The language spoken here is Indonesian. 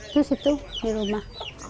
di situ di rumah